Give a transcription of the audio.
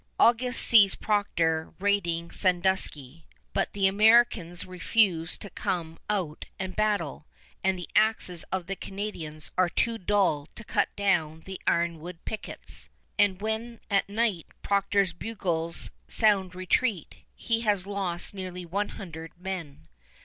August sees Procter raiding Sandusky; but the Americans refuse to come out and battle, and the axes of the Canadians are too dull to cut down the ironwood pickets, and when at night Procter's bugles sound retreat, he has lost nearly one hundred men.